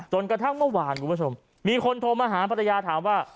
ส่วนกระทั่งเมื่อวานคุณผู้ชมมีคนโทรมาหาพระราชาธิ์ถามว่า